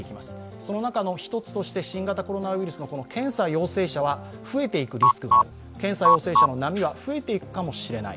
その中の一つとして新型コロナウイルスの検査陽性者は増えていくリスクがある検査陽性者の波は増えていくかもしれない。